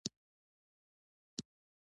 ځمکنی شکل د افغانستان د ځمکې د جوړښت نښه ده.